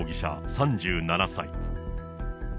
３７歳。